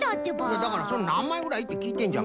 いやだから「なんまいぐらい？」ってきいてんじゃんか。